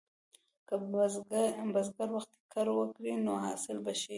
که بزګر وختي کر وکړي، نو حاصل به ښه شي.